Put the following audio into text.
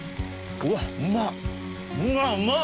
うわっうまっ！